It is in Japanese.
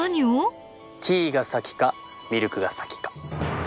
ティーが先かミルクが先か。